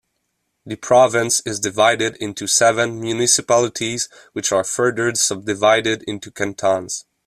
The province is divided into seven municipalities which are further subdivided into cantons.